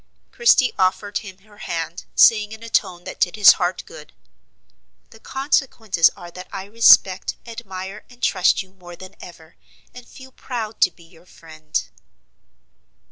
Christie offered him her hand, saying in a tone that did his heart good: "The consequences are that I respect, admire, and trust you more than ever, and feel proud to be your friend."